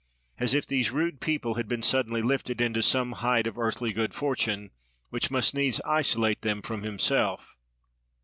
—as if these rude people had been suddenly lifted into some height of earthly good fortune, which must needs isolate them from himself.